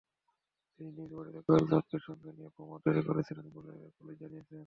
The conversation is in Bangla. তিনি নিজ বাড়িতে কয়েকজনকে সঙ্গে নিয়ে বোমা তৈরি করছিলেন বলে পুলিশ জানিয়েছে।